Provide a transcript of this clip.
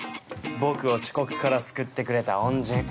僕を遅刻から救ってくれた恩人。